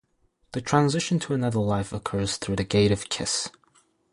The transition to another life occurs through The Gate of Kiss.